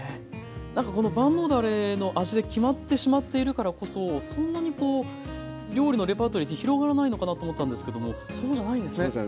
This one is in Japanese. なんかこの万能だれの味で決まってしまっているからこそそんなにこう料理のレパートリーって広がらないのかなと思ったんですけどもそうじゃないんですね。